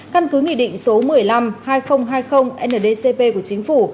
căn cứ nghị định số một mươi năm hai nghìn hai mươi ndcp của chính phủ